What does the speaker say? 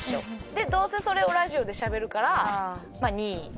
でどうせそれをラジオでしゃべるからまあ２位。